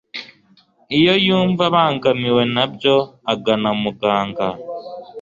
iyo yumva abangamiwe nabyo agana muganga